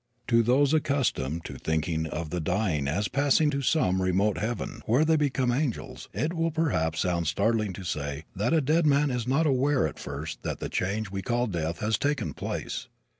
To those accustomed to thinking of the dying as passing to some remote heaven, where they become angels, it will perhaps sound startling to say that a dead man is not aware at first that the change we call death has taken place.